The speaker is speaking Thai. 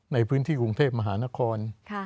ในพื้นที่กรุงเทพมหานคร